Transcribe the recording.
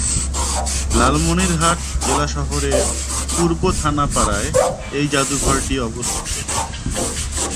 লালমনিরহাট জেলা শহরের পূর্ব থানাপাড়ায় এই জাদুঘরটি অবস্থিত।